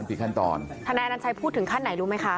ธนาชัยอาณาชัยพูดถึงขั้นไหนรู้ไหมคะ